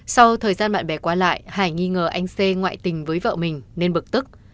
sau thời gian bạn bè qua lại hải nghi ngờ anh xê ngoại tình với vợ mình nên bực tức